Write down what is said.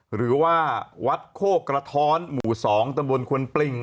หรือว่าวัดโฆกกระท้อนหมู่สองตรรวรค์คนปลิง